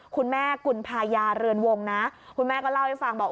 คุณแม่กุลภายาเรือนวงนะคุณแม่ก็เล่าให้ฟังบอก